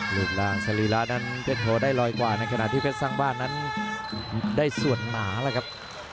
รูปร่างสรีระนั้นเพชรโทได้ลอยกว่าในขณะที่เพชรสร้างบ้านนั้นได้ส่วนหนาแล้วครับ